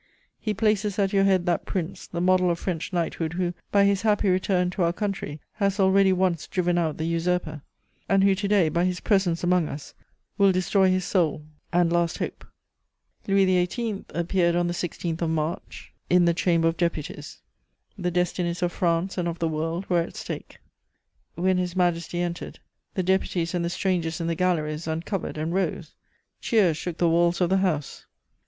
He places at your head that Prince, the model of French knighthood, who, by his happy return to our country, has already once driven out the usurper, and who to day, by his presence among us, will destroy his sole and last hope." Louis XVIII. appeared on the 16th of March in the Chamber of Deputies; the destinies of France and of the world were at stake. When His Majesty entered, the deputies and the strangers in the galleries uncovered and rose; cheers shook the walls of the house.